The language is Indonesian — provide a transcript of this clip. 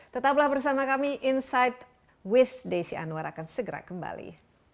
tetaplah bersama kami insight with desi anwar akan segera kembali